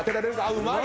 うまい！